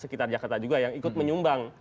sekitar jakarta juga yang ikut menyumbang